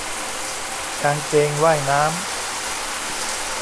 กางเกงว่ายน้ำ